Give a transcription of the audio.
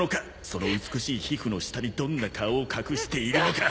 その美しい皮膚の下にどんな顔を隠しているのか！